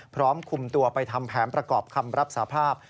พร้อมคุมตัวไปทำแผนประกอบคำรับสภาพ